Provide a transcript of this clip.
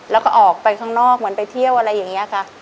แล้วก็ออกไปข้างนอกเหมือนไปเที่ยวอะไรอย่างนี้ค่ะ